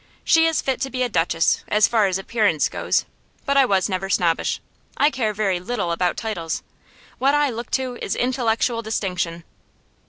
She is fit to be a duchess, as far as appearance goes; but I was never snobbish. I care very little about titles; what I look to is intellectual distinction.